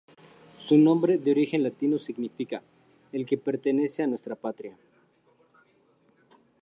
Su nombre, de origen latino significaː "El que pertenece a nuestra patria.